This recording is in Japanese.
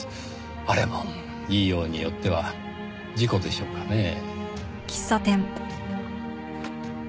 あれも言いようによっては事故でしょうかねぇ？